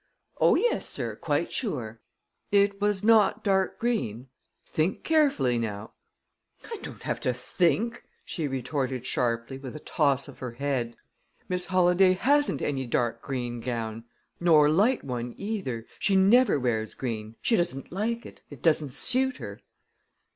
"Oh, yes, sir; quite sure." "It was not dark green? Think carefully, now!" "I don't have to think!" she retorted sharply, with a toss of her head. "Miss Holladay hasn't any dark green gown nor light one, either. She never wears green she doesn't like it it doesn't suit her."